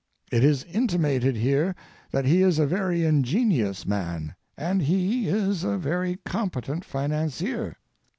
It is intimated here that he is a very ingenious man, and he is a very competent financier.